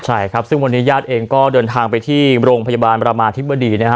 ใช่ครับซึ่งวันนี้ญาติเองก็เดินทางไปที่โรงพยาบาลประมาธิบดีนะฮะ